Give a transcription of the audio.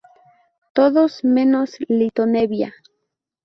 Todos, menos Litto Nebbia.